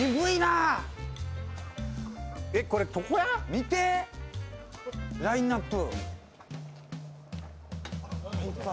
見て、ラインナップ。